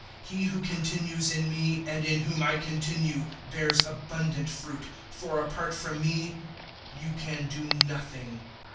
He who continues in me and in whom I continue bears abundant fruit, for apart from me you can do nothing.